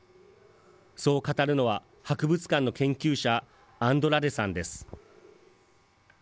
そう語るのは、博物館の研究者、アンドラデさんです。